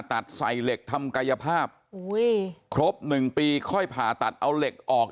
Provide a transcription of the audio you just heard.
ตัดใส่เหล็กทำกายภาพครบหนึ่งปีค่อยผ่าตัดเอาเหล็กออก